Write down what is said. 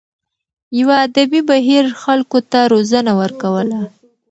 یوه ادبي بهیر خلکو ته روزنه ورکوله.